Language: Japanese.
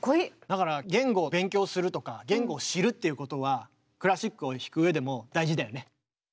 だから言語を勉強するとか言語を知るっていうことはクラシックを弾く上でも大事だよね。